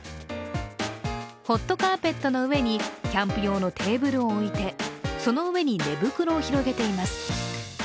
ホットカーペットの上にキャンプ用のテーブルを置いてその上に寝袋を広げています。